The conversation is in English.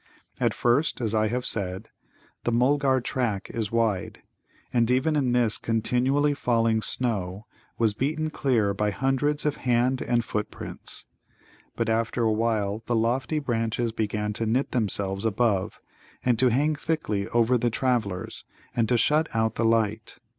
At first, as I have said, the Mulgar track is wide, and even in this continually falling snow was beaten clear by hundreds of hand and foot prints. But after a while the lofty branches began to knit themselves above, and to hang thickly over the travellers, and to shut out the light.